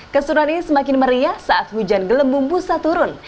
keseruan ini semakin meriah saat hujan gelembung busa turun